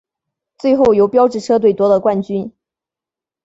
最后由标致车队夺得冠军。